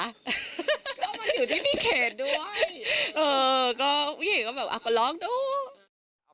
ก็มันอยู่ที่มีเขตด้วยเออก็พี่แจ๊กก็แบบอะก็ลองดู